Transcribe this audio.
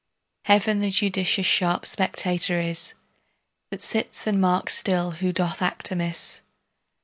Heaven the judicious sharp spectator is, That sits and marks still who doth act amiss.